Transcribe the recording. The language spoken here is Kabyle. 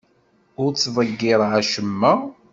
Ur ttḍeggireɣ acemma.